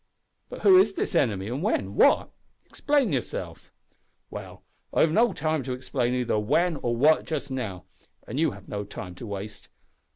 "But who is this enemy, and when what ? explain yourself." "Well, I've no time to explain either `when' or `what' just now, and you have no time to waste.